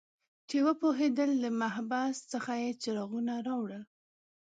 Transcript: چې وپوهیدل د محبس څخه یې څراغ راوړي